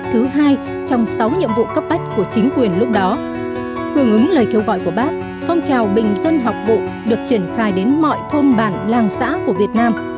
hương ứng lời kêu gọi của bác phong trào bình dân học vụ được triển khai đến mọi thôn bản làng xã của việt nam